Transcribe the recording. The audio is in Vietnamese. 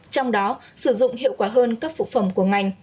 trong đó sử dụng hiệu quả hơn các phụ phẩm của ngành